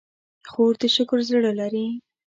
خور د شکر زړه لري.